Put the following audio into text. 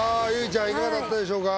ちゃんいかがだったでしょうか